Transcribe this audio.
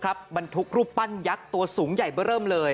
บรรทุกรูปปั้นยักษ์ตัวสูงใหญ่เบอร์เริ่มเลย